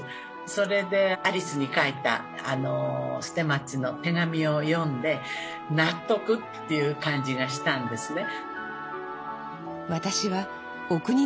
それでアリスに書いた捨松の手紙を読んで納得っていう感じがしたんですね。